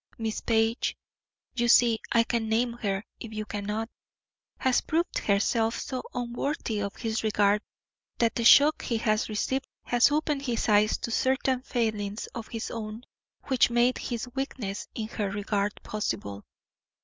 Miss Page (you see, I can name her, if you cannot) has proved herself so unworthy of his regard that the shock he has received has opened his eyes to certain failings of his own which made his weakness in her regard possible.